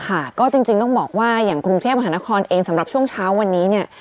ค่ะก็จริงต้องบอกว่าอย่างกรุงเทพมหานครเองสำหรับช่วงเช้าวันนี้เนี่ย